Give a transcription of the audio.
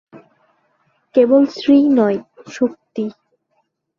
কেবল শ্রী নয়, শক্তি।